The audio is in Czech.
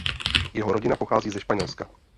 Jeho rodina pochází ze Španělska.